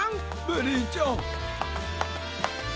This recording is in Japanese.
ベリーちゃん！